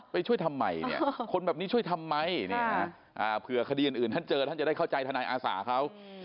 ไปช่วยทำไมเนี่ยคนแบบนี้ช่วยทำไมเผื่อคดีอื่นท่านเจอท่านจะได้เข้าใจทนายอาสาเขา